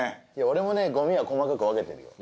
俺もゴミは細かく分けてるよ。